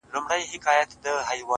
o ورته وگورې په مــــــيـــنـــه؛